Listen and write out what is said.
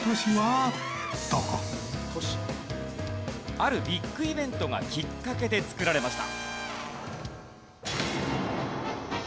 あるビッグイベントがきっかけで作られました。